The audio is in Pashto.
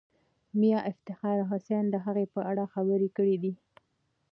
میا افتخار حسین د هغه په اړه خبرې کړې دي.